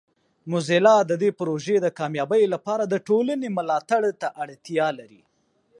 موزیلا د دې پروژې د کامیابۍ لپاره د ټولنې ملاتړ ته اړتیا لري.